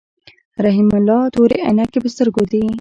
رحیم الله تورې عینکی په سترګو دي.